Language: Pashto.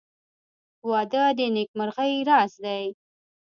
• واده د نېکمرغۍ راز دی.